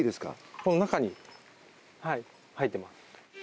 この中に入ってます。